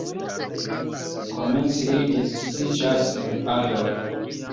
Komence ili disiĝas en paroj.